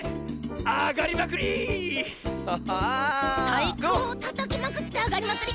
「たいこをたたきまくってあがりまくり」